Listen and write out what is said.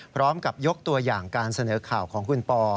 พร้อมกับยกตัวอย่างการเสนอข่าวของคุณปอ